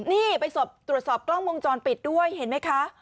นี่ไปตรวจสอบกล้องวงจรปิดด้วยเห็นไหมคะ